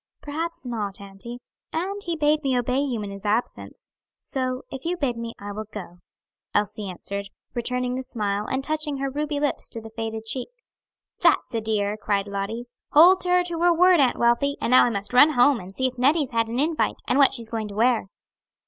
"Perhaps not, auntie; and he bade me obey you in his absence; so if you bid me, I will go," Elsie answered, returning the smile, and touching her ruby lips to the faded cheek. "That's a dear," cried Lottie. "Hold her to her word, Aunt Wealthy. And now I must run home, and see if Nettie's had an invite, and what she's going to wear."